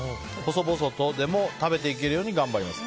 細々とでも食べていけるように頑張ります。